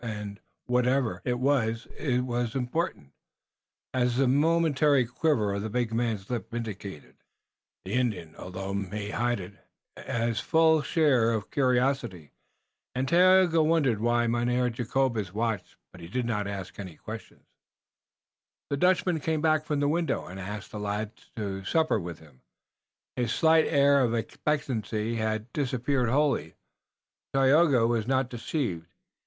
And whatever it was it was important, as the momentary quiver of the big man's lip indicated. The Indian, although he may hide it, has his full share of curiosity, and Tayoga wondered why Mynheer Jacobus watched. But he asked no question. The Dutchman came back from the window, and asked the lads in to supper with him. His slight air of expectancy had disappeared wholly, but Tayoga was not deceived.